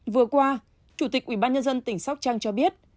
vừa qua chủ tịch ubnd tỉnh sóc trang cho biết